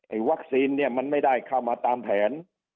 ไอ้วัคซีนมันไม่ได้เข้ามาตามแผน